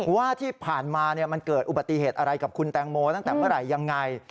ว่าที่ผ่านมามันเกิดอุบัติเหตุอะไรกับคุณแตงโมตั้งแต่เมื่อไหร่ยังไง